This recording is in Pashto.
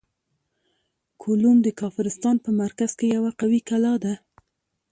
کولوم د کافرستان په مرکز کې یوه قوي کلا ده.